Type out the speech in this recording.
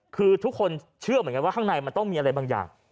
คือทุกคนเชื่อเหมือนกันว่าข้างในมันต้องมีอะไรบางอย่าง